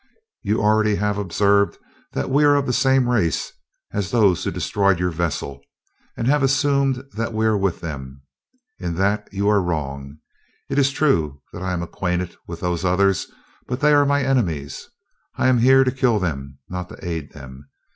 You already have observed that we are of the same race as those who destroyed your vessel, and have assumed that we are with them. In that you are wrong. It is true that I am acquainted with those others, but they are my enemies. I am here to kill them, not to aid them.